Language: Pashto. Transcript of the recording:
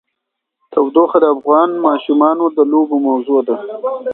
تودوخه د افغان ماشومانو د لوبو موضوع ده.